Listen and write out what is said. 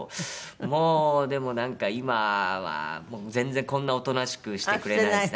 もうでもなんか今は全然こんなおとなしくしてくれないですね。